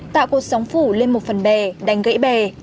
tạo cột sóng phủ lên một phần bè đánh gãy bè